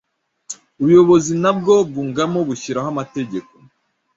Ubuyobozi na bwo bwungamo, bushyiraho amategeko